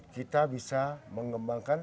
kita bisa mengembangkan